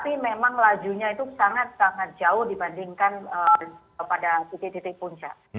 tapi memang lajunya itu sangat sangat jauh dibandingkan pada titik titik puncak